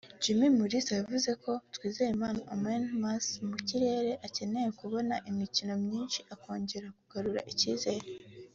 Jimmy Mulisa yavuze ko Twizerimana Onesme (mu kirere) akeneye kubona imikino myinshi akongera kugarura icyizere